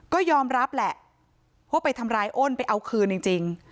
ก็ยอมรับแหละว่าไปทำร้ายอ้นไปเอาคืนจริง